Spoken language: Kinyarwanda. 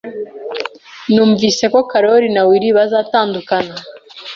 Numvise ko Carol na Will bazatandukana.